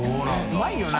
うまいよな。